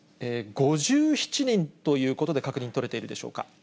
５７人ということで確認取れているでしょうか。